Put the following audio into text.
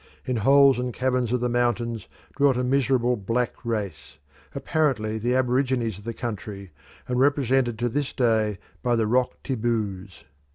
In holes and caverns of the mountains dwelt a miserable black race, apparently the aborigines of the country, and represented to this day by the Rock Tibboos.